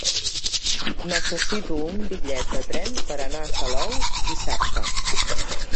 Necessito un bitllet de tren per anar a Salou dissabte.